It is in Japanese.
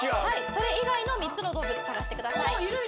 それ以外の３つの動物探してください。